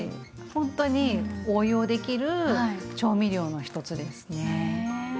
本当に応用できる調味料の一つですね。